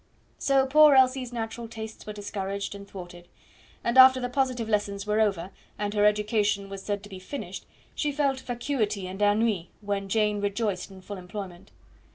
So poor Elsie's natural tastes were discouraged and thwarted; and after the positive lessons were over, and her education was said to be finished, she felt vacuity and ennui when Jane rejoiced in full employment.